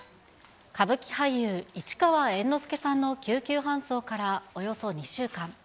歌舞伎俳優、市川猿之助さんの救急搬送からおよそ２週間。